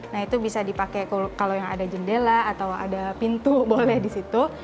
nah itu bisa dipakai kalau yang ada jendela atau ada pintu boleh di situ